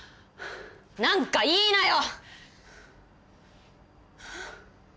何か言いなよ！